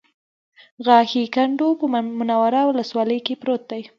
غاښی کنډو په منوره ولسوالۍ کې پروت دی